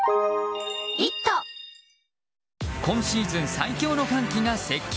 今シーズン最強の寒気が接近。